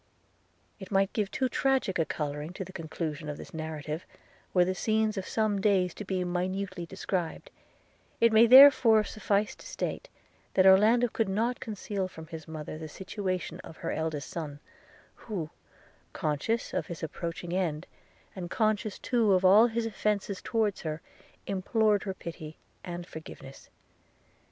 It might give too tragic a colouring to the conclusion of this narrative, were the scenes of some days to be minutely described – it may therefore suffice to state, that Orlando could not conceal from his mother the situation of her eldest son, who, conscious of his approaching end, and conscious too of all his offences towards her, implored her pity and forgiveness.